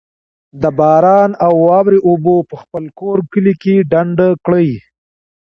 د باران او واورې اوبه په خپل کور، کلي کي ډنډ کړئ